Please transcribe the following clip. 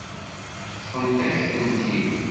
Ṭṭfent-ak-tent-id.